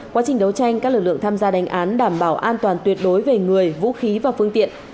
quá trình đấu tranh các lực lượng tham gia đánh án đảm bảo an toàn tuyệt đối về người vũ khí và phương tiện